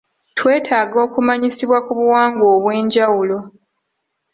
twetaaga okumanyisibwa ku buwangwa obw'enjawulo.